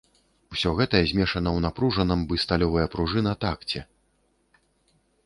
Усё гэта змешана ў напружаным, бы сталёвая спружына, такце.